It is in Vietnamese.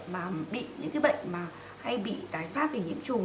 mà bị những cái bệnh mà hay bị tái pháp về nhiễm trùng